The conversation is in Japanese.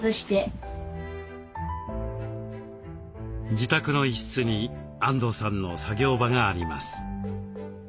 自宅の一室にあんどうさんの作業場があります。